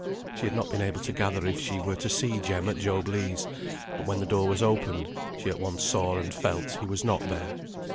She had not been able to gather if she were to see Jem at Job Legh's; but when the door was opened, she at once saw and felt he was not there.